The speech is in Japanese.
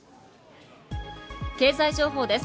経済情報です。